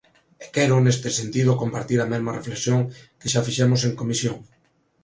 E quero neste sentido compartir a mesma reflexión que xa fixemos en comisión.